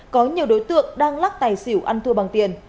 có nhiều đối tượng đang lắc tài xỉu ăn thua bằng tiền